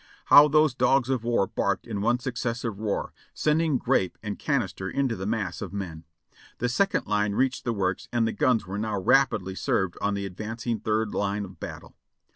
How those dogs of war barked in one successive roar, sending grape and canister into the mass of men. "The second line reached the works and the guns were now rapidly served on the advancing third line of battle.